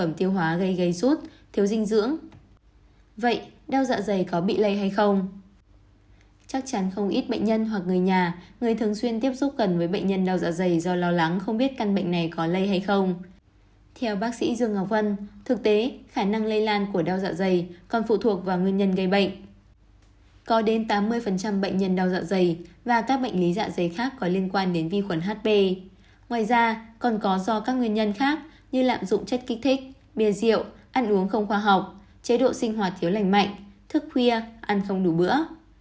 ngoài ra còn có do các nguyên nhân khác như lạm dụng chất kích thích bia rượu ăn uống không khoa học chế độ sinh hoạt thiếu lành mạnh thức khuya ăn không đủ bữa